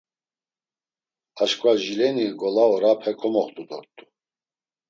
Aşǩva jileni ngola orape komoxt̆u dort̆u.